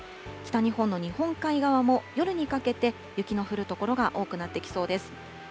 北日本の日本海側も夜にかけて、雪の降る所が多くなってきそうです。